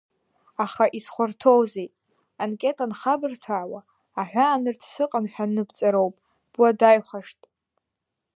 Аха изхәарҭоузеи, анкета анхабырҭәаауа аҳәаанырцә сыҟан ҳәа аныбҵароуп, буадаҩхашт…